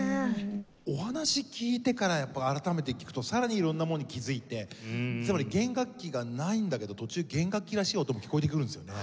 お話聞いてから改めて聴くとさらに色んなものに気づいてつまり弦楽器がないんだけど途中弦楽器らしい音も聴こえてくるんですよね。